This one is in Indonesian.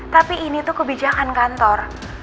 tapi ini tuh kebijakan kantor